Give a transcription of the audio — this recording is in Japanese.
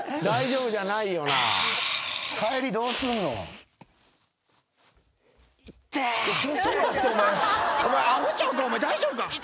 大丈夫か？